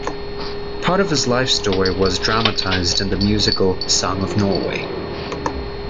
Part of his life story was dramatised in the musical "Song of Norway".